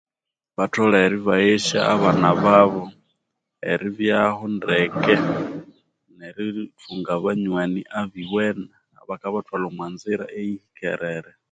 Batholere ibaghesya abana babo eribyahu ndeke neririthunga abanywani abiwene abangabathwalha omwanzira eyihikerere